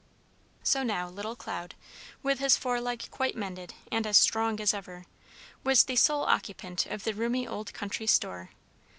So now little Cloud, with his foreleg quite mended and as strong as ever, was the sole occupant of the roomy old country store.